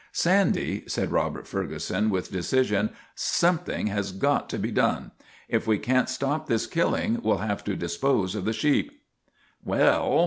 " Sandy." said Robert Ferguson with decision. " something has got to be done. If we can't stop this killing we '11 have to dispose of the sheep."